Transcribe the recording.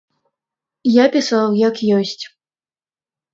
Я пісаў, як ёсць.